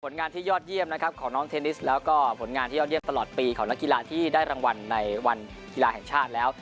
งานที่ยอดเยี่ยมนะครับของน้องเทนนิสแล้วก็ผลงานที่ยอดเยี่ยมตลอดปีของนักกีฬาที่ได้รางวัลในวันกีฬาแห่งชาติแล้ว